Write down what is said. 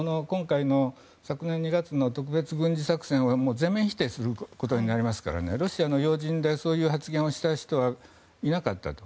昨年２月の特別軍事作戦を全面否定することになりますからロシアの要人でそういう発言をした人はいなかったと。